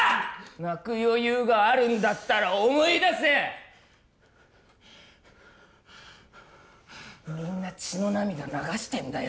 泣く余裕があるんだったら思い出せみんな血の涙流してんだよ